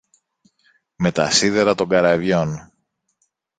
Με τα σίδερα των καραβιών.